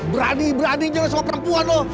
berani berani jalan sama perempuan lo